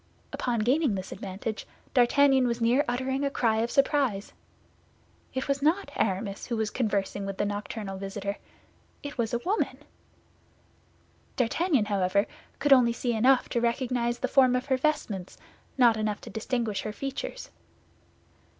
Upon gaining this advantage D'Artagnan was near uttering a cry of surprise; it was not Aramis who was conversing with the nocturnal visitor, it was a woman! D'Artagnan, however, could only see enough to recognize the form of her vestments, not enough to distinguish her features.